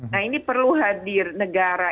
nah ini perlu hadir negara